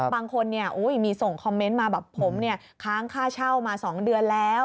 บางคนมีส่งคอมเมนต์มาแบบผมค้างค่าเช่ามา๒เดือนแล้ว